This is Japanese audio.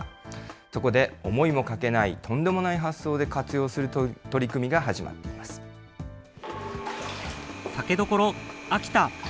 そこで、思いもかけないとんでもない発想で活用する取り組みが始まってい酒どころ、秋田。